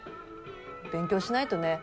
勉強しないとね。